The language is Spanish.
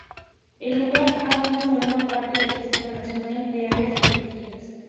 El lugar aún no forma parte de Sistema Nacional de Áreas Protegidas.